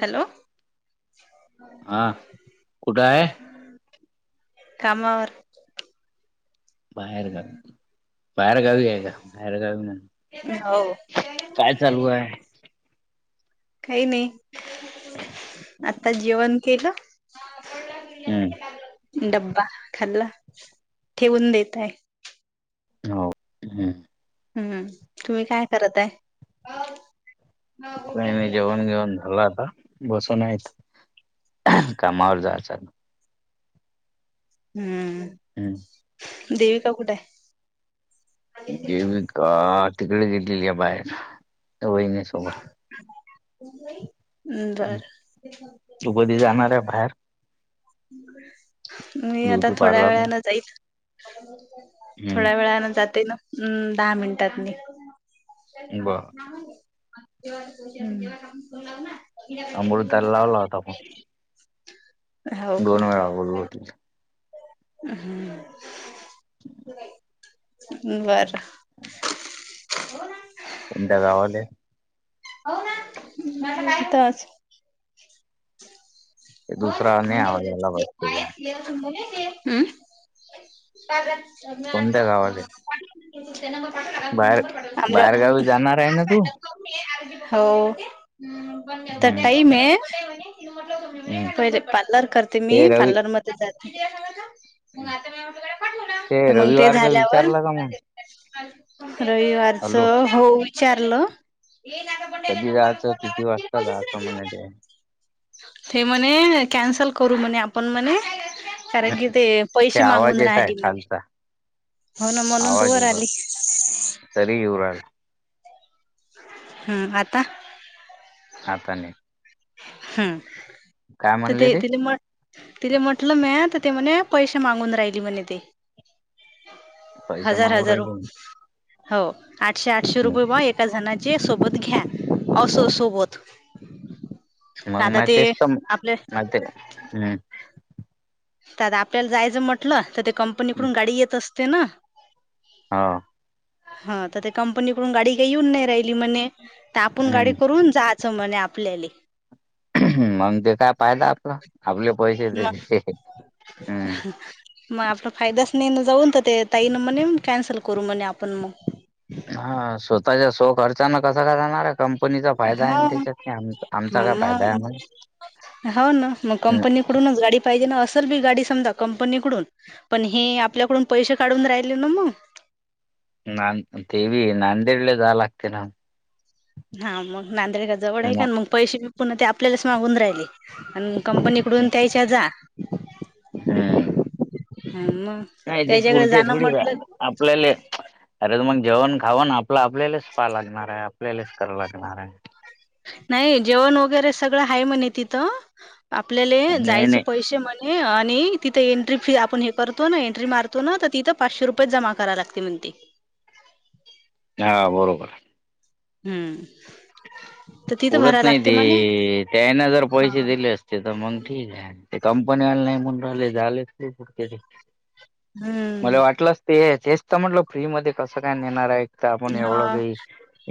Hello! हा कुठं आहे [unintelligible] कामावर बाहेर गावी बाहेर गावी आहे का बाहेर गावी हो ना काय चालू आहे? काही नाही. आता जेवण केलं हम्म डब्बा खाल्ला ठेवून देत आहे. हो हम्म. हम्म तुम्ही काय करत आहे? काय नाय जेवण बिवण झाला आता. बसून आहेत कामावर जायचा. हम्म. हम्म. देविका कुठे आहे? देविका तिकडे गेलेली आहे बाहेर वहिणीसोबत. हम्म बरं. तू कधी जाणार आहे बाहेर? मी आता ब्युटी थोड्या पार्लर वेळने जाईच हम्म थोड्या वेळान जाते ना दहा मिनिटानी. बर [unintelligible] अम्रुताला लावला होता फोन. का दोन वेळा बोलो होतो. ह बरं. हम् [unintelligible] हो ना [unintelligible] उंडा गावले [unintelligible] तच ते बल दुसरा नाही मंडे आवाज होती. आला बस त्याच्या [unintelligible] हम्म. [unintelligible] कोणत्या गावाला आहे? बाहेर बाहेर गावी जाणार आहे ना तू हो त्या हम्म टाइम आहे. हम्म पहिलै पार्लर करते मी ते रवी पार्लर मध्ये जाते. ते तर मंग ते रविवारच झाल्यावर विचारलं का मग रविवारच हॅलो हो विचारलं कधी जायचं किती वाजता जायचं म्हणले. ते म्हणे कॅन्सल करू म्हणे आपण म्हणे कारण कि ते ते पैसे आवाज मागून येत आहे राहिली म्हणे खालचा हो ना म्हणून तर आवाज वर येऊ आली. राहिला तरी येवराळ हम्म आता आता नाही. हम् काय तर म्हणले ते ति म तिला म्हटलं मँ तर ते म्हणे पैसे मागून राहिली म्हणे ते. पैसे हजार मागू हजार राहिले म्हणे. हो आठशे आठशे रुपये म ए जणाचे सोबत घ्या असो सोबत मग आता ते मचत म आपल्या हम्. [unintelligible] तर आता आपल्याला जायचं म्हटलं तर ते हम्म, कंपनीकडून गाडी येत असते ना हा. हा तर कंपनीकडून गाडी येऊन नाही राहिली म्हणे आपण गाडी हम्म करून जात समने आपल्याली मंग ते काय पायदा आपलं आपले पैसे दे मग हम्म. मग आपला फायदाच नाही ना जाऊन, तर ते ताई ना म्हणे कॅन्सल करू म्हणे आपण मग. हा स्वतःच्या स्व खर्चानं कसा का जाणार आहे. कम कंपनीचा फायदा आहे ना हा त्याच्यात, आमचा काय फायदा मग आहे. [unintelligible] हो ना, मग कंपनीकडूनच गाडी पाहिजे ना असेल बी गाडी समजा कंपनीकडून, पण हे आपल्याकडून पैसे काढून राहिले ना मग. नान ते होय नांदेडला जावं लागते ना. हा मंग नांदेड काय जवळ आहे ना का मग, पैसे बी पुन्हा ते आपल्यालाच मागून राहिले. आणि कंपनीकडून त्यायच्या जा. हम्म हम्म. हम्म, मग नाही ते त्याच्याकडे पुरते जाणं थोडी म्हटलं आपल्याले अरे तर मग जेवण खावन आपलं आपल्यालाच पहाय लागणार आहे. लेलेच कराव लागणार आहे. नाही जेवण वगैरे सगळं आहे म्हणे तिथं. आपल्याला नाही जायचे नाही पैसे म्हणे नाही आणि तिथे एंट्री फी आपण हे करतो ना एंट्री मार तो ना आता तिथं पाचशे रुपयेच जमा कराय लागती म्हणती. हा बरोबर हाय. हम्म. तर तिथं पुरत भरायला नाही लागते ते, म्हणे त्यांना जर पैसे दिलेस ते तर मंग ठीक आहे. ते कंपनी आले नाही म्हणून राहिले, जायले येते कुठंतरी. हम्म. मला वाटलंच ते, तेच तर म्हटलं फ्रीमध्ये कसं काय नेणार आहे. इथं आपण एवढं हा काही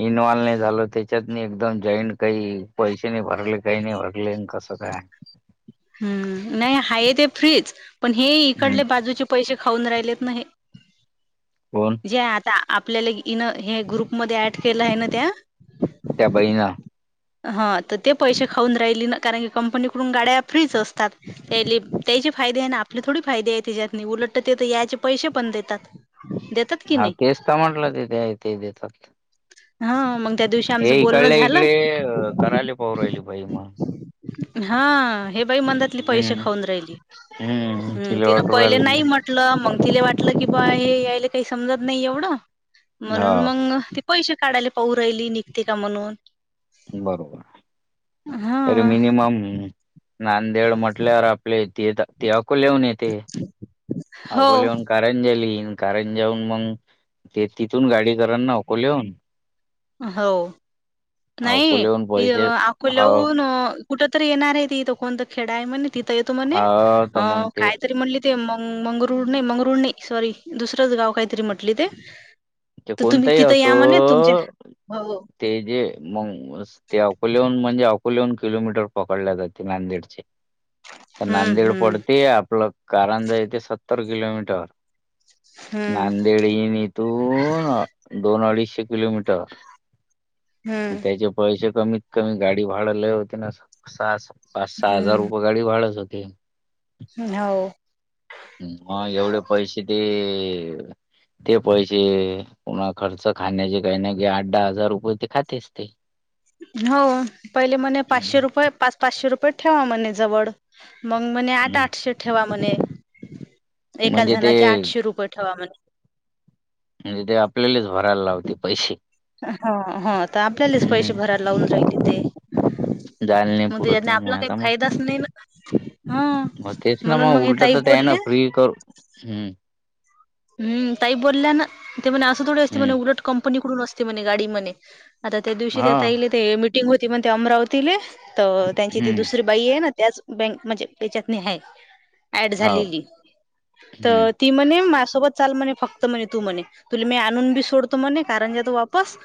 इन्वॉल्व नाही झालो त्याच्यात मी एकदम जॉईंट काही पैसे नाही भरले काही नाही भरले कसं काय. हम्म. नाही आहेत हे फ्रीच, पण हे हम्म. इकडले बाजूचे पैसे खाऊन राहिलेत ना हे. कोण? जे आता आपल्याला इन हे ग्रुपमध्ये ऍड केलं आहे ना त्या त्या बाईनां हा तर ते पैसे खाऊन राहिले ना, कारण की कंपनीकडून गाड्या फ्रीच असतात. त्याले त्याचे फायदे आहे ना आपले थोडी फायदे आहेत त्याच्यात. उलट ते तरी याचे पैसे पण देतात. देतात. की हा नाही केस का म्हटलं तेथे ते देतात. [inaudible] हा मंग त्यादिवशी हे इकडल्या इकडे ये करायले पाऊ राहिली बाई मग. हा हे बाई मंद [unintelligible] पैसे हम्म, खाऊ राहिली हम्म. तिला तिनं वाटू पहिले राहिलं नाही की म्हंट [unintelligible] मंग तिले वाटलं की बुवा हे यायले काही समजत नाही एवढं. हा म्हणून मग पैसे काढायले पाहू राहिली निघते का म्हणून. बरोबर हाय. हा. तर मिनिमम नांदेड म्हंटल्यावर आपले ते ते अकोल्याहून येते. हो अकोल्याहून करंजाली यीन करंजाहून मग ते तिथून गाडी करांन ना अकोल्याहून. हो, नाही अकोल्याहून ते पैसे हाव अकोल्याहून कुठ तरी येणार आहे तिथं कोणतं खेडा आहे म्हणे तिथं येतो म्हणे हाव तर अ मग ते कायतरी म्हणली ते मंग मंगरुळ नाही मंगरुळ नाही सॉरी दुसरंच गाव काहीतरी म्हटली ते. ते तर तुम्ही कोणताही तिथं असो या म्हणे तुमच्या हो ते जे मंग ते अकोलेहून म्हणजे अकोलेहून किलोमीटर पकडल्या जाते नांदेडचे. तर हम्म नांदेड हम्म पडते आपलं कारांजा येते सत्तर किलोमीटर. हम्म नांदेड यीन इथु हो ना दोन अडीचशे किलोमीटर हम्म त्याचे पैसे कमी कमी गाडी भाडं लई होते ना, सहा पाच सहा हजार रुपये गाडी भाडच होते. हाव. हा एवढे पैसे दे. ते पैसे पुन्हा खर्च खाण्याचे काही नाही कि आठ दहा हजार रुपये ते खाते असते. हो पहिले म्हणे पाचशे रुपये पाच पाचशे रुपये ठेवा म्हणे जवळ. मंग म्हणे आठ-आठशे ठेवा म्हणे. एका म्हणजे ते जणाचे आठशे रुपये ठेवा म्हणे. म्हणजे ते आपल्यालेलेच भरायला लावते पैसे. हा हा तर आपल्यालेच पैसे हम्म भरायला लावून राहिले ते. जायला नाही म पुरत त्याजातने ना मग आपला काही आता मग फायदाच नाही ना. हा म्हणून मग हे ताई बोलले की कर्व हम्म. हम्म ताई बोलल्या ना ते म्हणे असं थोडी असते म्हणे हम्म उलट कंपनीकडून असते म्हणे गाडी म्हणे. आता त्या दिवशी हा त्या ताईले ते मीटिंग होती म्हण ते अमरावतीले तर त्यांची ती हम्म दुसरी बाई आहे ना त्याच बँक म्हणजे त्याच्यात मी आहे ऍड हो झालेली. हम्म तर ती म्हणे मास सोबत चाल म्हणे फक्त म्हणे तू म्हणे तुल मी आणून बी सोडतो म्हणे कारंजात वापस.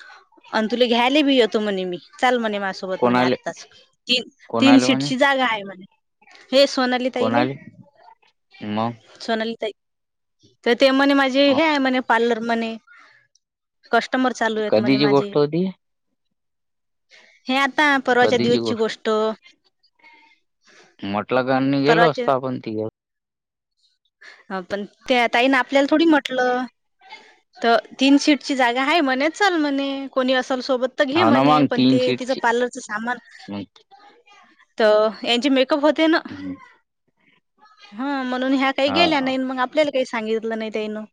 अन तुला घ्यायला भी येतो म्हणे मी चाल म्हणे मा सो सोबत म्हणे कोणाले आत्ताच तीन-तीन कोणाले म्हणे सीटची जागा आहे म्हणे. हे सोनाली ताईले कोणाले मग सोनाली ताई तर ते म्हणे माझे अ, हे आहे म्हणे पार्लर म्हणे. कष्टमर चालू आहेत म्हणे कधीची माझे. गोष्ट होती ही? हे आता परवाच्या दिवसची गोष्ट. म्हटलं का नाही गेलो परवाच्या असता आपण तिघं. हा पण त्या ताईने आपल्याला थोडी म्हटलं. तर तीन सीट ची जागा आहे म्हणे चाल म्हणे कोणी असाल सोबत तर घे हो ना म्हणे मग पण तीन ते तिचं सीटची पार्लरचं सामान मग तर यांचे मेकअप होते ना हम्म, हा म्हणून ह्या काही हा गेल्या हा नाही ना मंग आपल्याला काही सांगितलं नाही तेनं.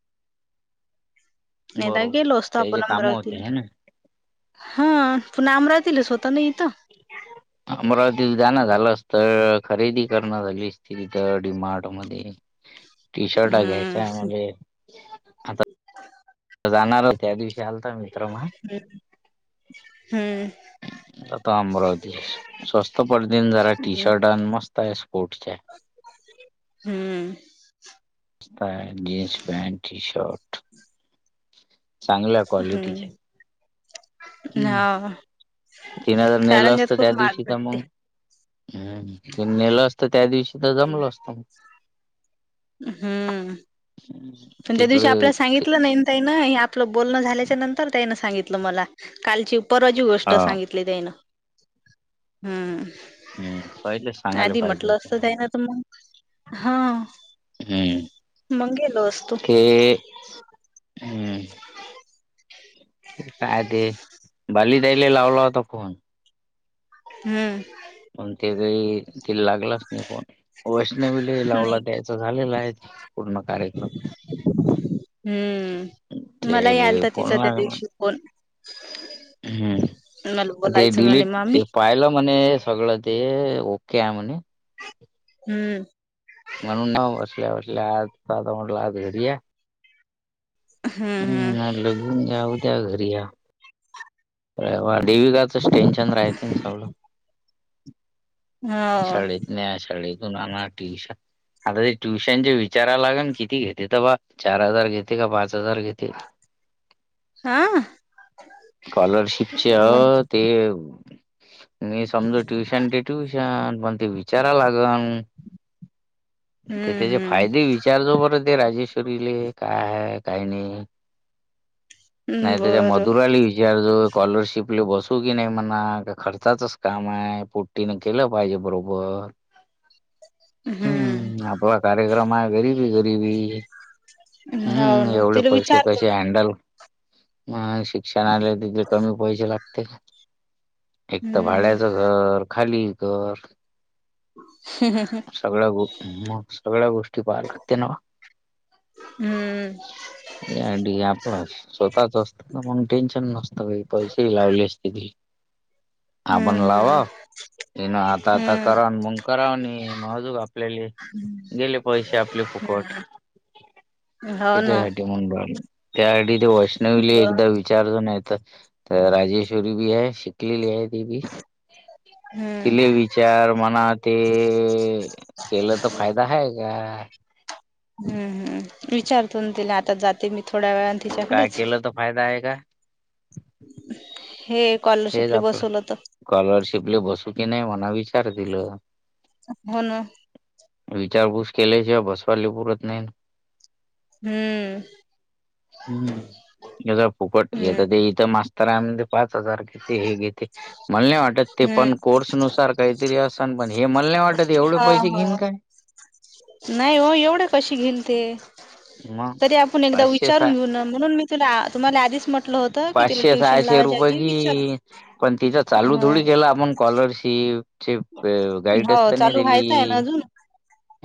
नाहीतर बरोबर गेलो असतो आपण त्याचे काम होते अमरावतीला. है ना हा पुन्हा अमरावतीलाच होतं ना इथं. [inaudible] अमरावतीत जाणं झालं असतं खरेदी करणं झालीस तिथं डि-मार्ट मध्ये. [inaudible] हम्म. घ्यायच्या मला आता जाणार होत्या दिवशी आलता मित्र मा हम्म. आता अमरावती स्वस्त पडतीन जरा टी शर्ट आणि मस्त आहे स्पोर्टसच्या. हम्म. स्ता जीन्स, पँट, टी-शर्ट चांगल्या क्वालिटीचे हम्म हम्म. हा तीन हजार नेलं कारंजात असतं त्या खूप महाग दिवशी का भेटते मंग. तेन नेलं असतं त्या दिवशी तर जमलं असतं. हम्म. पण त्या दिवशी तिकडे आपल्याला सांगि तला नैन ताईनं हे आपलं बोलणं झाल्याच्या नंतर ताईनं सांगितलं मला कालची परवाची गोष्ट हा सांगितली त्यानं. हं.. हम्म पहिले सांगायला आधी पाहिजे म्हटलं होत असतं त्यांना तर मंग हा. हम्म मग गेलो असतो ते हम्म. काय ते बाली ताईला लावला होता फोन हम्म. [unintelligible] [unintelligible] फोन वैष्णवीला लावला नाही द्यायच झालेला आहे पूर्ण कार्यक्रम. [inaudible] हम्म. मला ते यालता फोन तिचा त्या लागला दिवशी फोन. हम्म मला ते बोलायचं म्हणे डिलीट मामी. ते पाहिलं म्हणे सगळं ते ओके आहे म्हणे. हम्म. म्हणून ना बसल्या बसल्या, आज आता म्हटला आज घडी या. हम्म हम्म हम. लघून ऊद्या घरी या. काय वा डीवीगचाच टेन्शन राहते ना सगळं. हो शाळेत न्या, शाळेतून आणा ट्युशन. आता ते ट्युशनचे विचारायला लागे किती घेते, तर बा चार हजार घेते का पाच हजार घेते. हां. स्कॉलरशिपचे अं... ते मी समजू ट्युशन, ते ट्युशन पण ते विचारा लागन. ते त्याचे हम्म फायदे विचारतो बरं ते राजेश्वरीले काय काय नाही हम्म नाही त्या, बर मधुराल विचारतो. स्कॉलरशिपले बसू की नाही म्हणा का खर्चाचच काम आहे पोट्टीने केलं पाहिजे बरोबर. हम्म. आपल कार्यक्रम आहे गरीबी गरीबी. हो हम्म. ना एवढे तिला पैसे विचारतो कैसे ना हॅंडल. मग शिक्षणाला तिथं कमी पैसे लागते का, एक तर हम्म भाड्याचं. घर खाली कर. हम हम हम सगळ गं मग सगळ्या गोष्टी पहायला लागते नवं. हम्म. याड आपलं स्वतःच असत ना, पण टेन्शन नसतं काही पैसेही लावले असते ती. आपण लावा हम्म हेना आता आता हम्म करा मग करा म्हणे. म अजूक आपल्याले गेले पैशे आपले फुकट. हम्म हो ना त्याच्यासाठी म्हण राहले, त्यासाठी ते वैष्णविले ब एकदा विचा चार जण हेत, तर राजेश्वरी बी आहे. विकलेली आहे ती बी हम्म तिले विचार म्हणा ते केलं तर फायदा आहे का? हम्म हम्. विचारतो न दिले आता जातो. ते मी थोड्या वेळान, काय तिच्याकडेच केलं तर फायदा आहे का हे. हेच स्कॉलरशिपले आपलं, बसवलं तर स्कॉलरशिपले बसू की नाही म्हणाव विचार तील. हो ना. विचारपूस केल्याशिवाय बसवाली पुरत नाही. हम्म. हम्म हेज्या फुकट हे तर हम्म देही तर मास्टर आणून दे पाच हजार घेते हे घेते, मला नाही वाटत ते हम्म पण कोर्स नुसार. तरी असन पण हे, मला नाही वाटत एवढे हा पैसे घेईन हा काय? नाही हो, एवढे कशी घेईल ते. मग तरी आपण एकदा पाचशे सहा विचारून घेऊन म्हणून, मी तुला तुम्हाला आधीच म्हटलं होतं. की तिला पाचशे ट्युशन सहाशे लावायच्या रुपये आधी विचार घेईल, पण तिचां चालू ह थोडी केला आपण स्कॉलरशिप. [unintelligible] अं गाईडच हो त्यांनी चालू दिली. व्हायचं आहे ना अजून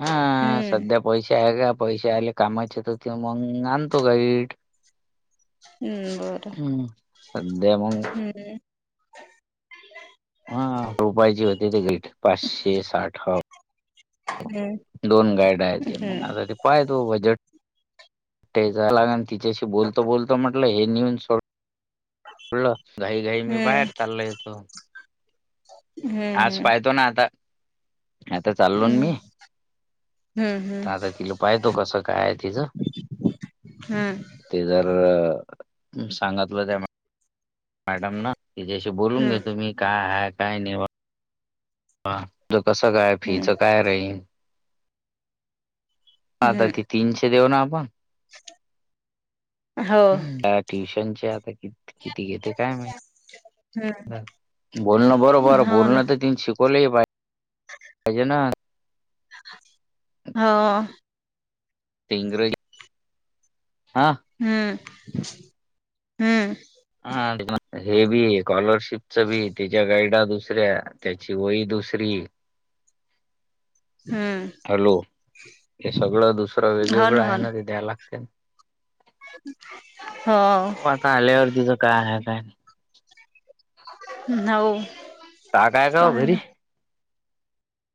हा हम्म सध्या पैसे आहे का पैसे आले कामाचे तर, ते मग आणतो गाईड. हम्म बर. हम्म. सध्या मग ह हा रुपयाची होते ते ग्रिट पाचशे साठ हो. हम्म. दोन गाईडा आहेत. ते मग आता ते काय तो बजट आणि, तिच्याशी बोलतो बोलतो म्हटलं हे नेऊन. [unintelligible] घाई घाई मी हम्म बाहेर चाललो येतो. आज हम्म पाहतो नाही आता, आता चाललो ना हम्म मी. हम्म हम्म हम्म आता तिला पायतो कसं काय आहे तिज. हम्म ते जर सांगतलं त्यामुळं मॅडम ना तिच्या्याशी बोलून हम्म घेतो, मी काय हाय काय नाय. हा तूझ कसं काय हम्म फीचं काय राईन, आता तिथ. हम्म तीनशे देऊ ना आपण. हो हम्म बॅग ट्युशनचे आता कि किती घेते काय माहित. हं. बोलणं बरोबर हो ना बोलणं तर, तिन शिकवलंही पाहिजे पाहिजे ना. हो. ते इंग्रजी हा हम्म. हम्म. हे बी, स्कॉलरशिपच बी त्याच्या गाईड. दुसऱ्या, त्याची वही दुसरी. हम्म. हॅलो, हे सगळं दुसरं वेगवेगळं आहे ना ते द्याय लागते ना. हो हो. आता आल्यावरतीच काय आहे, काय नाही. हम्म हो. काका आहे का ओ पाहा घरी? ना